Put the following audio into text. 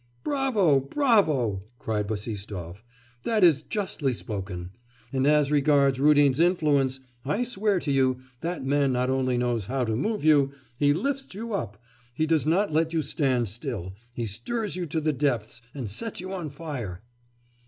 'Bravo, bravo!' cried Bassistoff, 'that is justly spoken! And as regards Rudin's influence, I swear to you, that man not only knows how to move you, he lifts you up, he does not let you stand still, he stirs you to the depths and sets you on fire!